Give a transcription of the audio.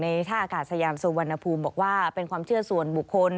ท่าอากาศยานสุวรรณภูมิบอกว่าเป็นความเชื่อส่วนบุคคล